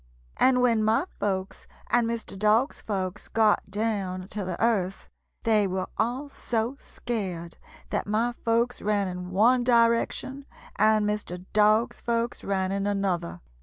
"And when my folks and Mr. Dog's folks got down to the earth they were all so scared that my folks ran in one direction and Mr. Dog's folks ran in another.